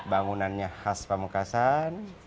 bangunannya khas pamekasan